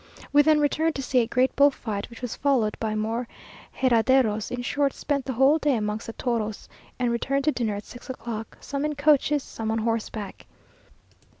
We then returned to see a great bull fight, which was followed by more herraderos in short, spent the whole day amongst the toros, and returned to dinner at six o'clock, some in coaches, some on horseback.